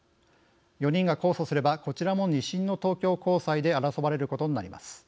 ４人が控訴すればこちらも２審の東京高裁で争われることになります。